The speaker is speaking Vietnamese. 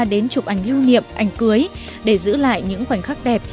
đến chụp ảnh lưu niệm ảnh cưới để giữ lại những khoảnh khắc đẹp